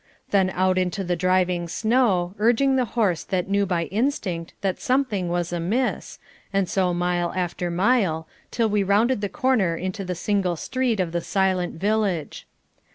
Then out into the driving snow, urging the horse that knew by instinct that something was amiss, and so mile after mile, till we rounded the corner into the single street of the silent village.